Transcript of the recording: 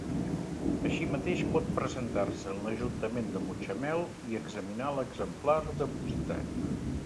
Així mateix pot presentar-se en l'Ajuntament de Mutxamel i examinar l'exemplar depositat.